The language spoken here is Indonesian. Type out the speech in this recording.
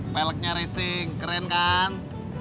peletnya racing keren kan